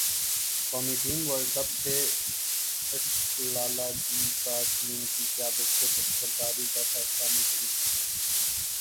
قومی team world cup سے اٹ لالہ جی کا ٹیم کی قیادت سے دستبرداری کا فیصلہ ملتوی